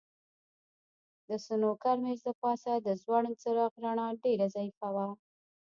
د سنوکر مېز د پاسه د ځوړند څراغ رڼا ډېره ضعیفه وه.